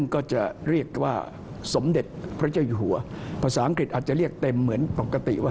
ก็จะเรียกว่าสมเด็จพระเจ้าอยู่หัวภาษาอังกฤษอาจจะเรียกเต็มเหมือนปกติว่า